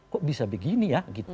kok bisa begini ya